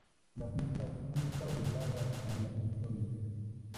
Las islas han estado habitadas desde la prehistoria.